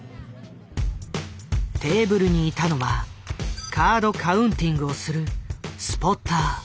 テーブルにいたのはカード・カウンティングをするスポッター。